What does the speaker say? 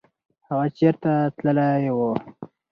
هغه چېرته تللی و؟